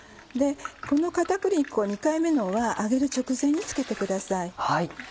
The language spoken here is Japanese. この片栗粉２回目のは揚げる直前に付けてください。